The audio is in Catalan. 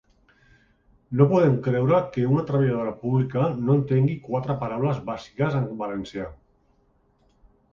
No podem creure que una treballadora pública no entengui quatre paraules bàsiques en valencià.